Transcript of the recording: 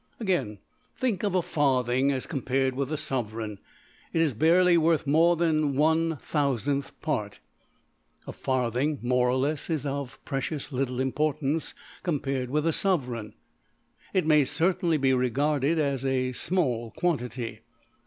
Again, think of a farthing as compared with a sovereign: it is barely worth more than $\frac$ part. A farthing more or less is of precious little importance compared with a sovereign: it may certainly be regarded as a \emph{small} quantity.